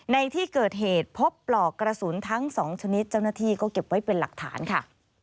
ในที่เกิดเหตุพบปลอกกระสุนทั้ง๒ชนิดเจ้าหน้าที่ก็เก็บไว้เป็นหลักฐานค่ะ